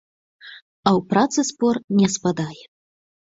А ў працы спор не спадае.